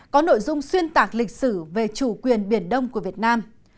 có nội dung xuyên tạc lịch sử về chủ quyền biển đông của việt nam